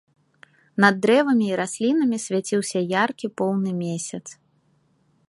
Над дрэвамі і раслінамі свяціўся яркі поўны месяц.